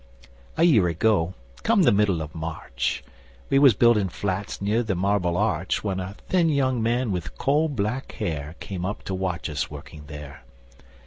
A year ago, come the middle o' March, We was building flats near the Marble Arch, When a thin young man with coal black hair Came up to watch us working there.